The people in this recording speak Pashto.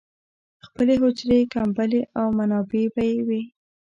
خپلې حجرې، کمبلې او منابع به یې وې.